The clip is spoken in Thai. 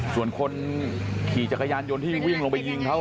ส่วนคนขี่จักรยานยนต์ที่วิ่งลงไปยิงเขา